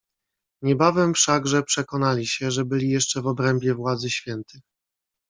"Niebawem wszakże przekonali się, że byli jeszcze w obrębie władzy Świętych."